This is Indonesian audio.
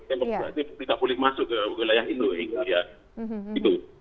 tembok itu tidak boleh masuk ke wilayah indonesia